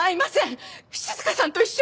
静さんと一緒。